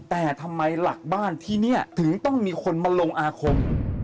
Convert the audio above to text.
แต่ทำไมหลักบ้านที่นี่ถึงต้องมีคนมาลงอาคม